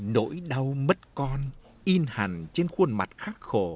nỗi đau mất con yên hẳn trên khuôn mặt khắc khổ